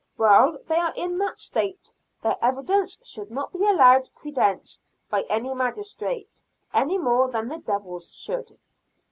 While they are in that state, their evidence should not be allowed credence by any magistrate, any more than the devil's should."